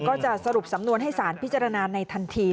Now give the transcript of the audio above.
ก็จะสรุปสำนวนให้สารพิจารณาในทันที